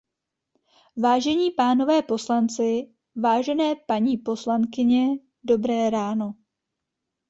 Vážení pánové poslanci, vážené paní poslankyně, dobré ráno!